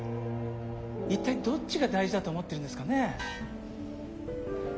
一体どっちが大事だと思ってるんですかね？